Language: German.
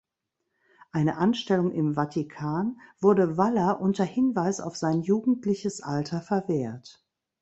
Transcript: Eine Anstellung im Vatikan wurde Valla unter Hinweis auf sein jugendliches Alter verwehrt.